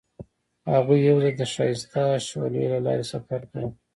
هغوی یوځای د ښایسته شعله له لارې سفر پیل کړ.